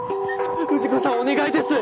藤子さんお願いです